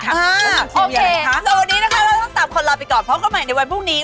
โอเคโซนี้นะคะเราต้องตามคนรอบอีกก่อนพร้อมกับใหม่ในวันพรุ่งนี้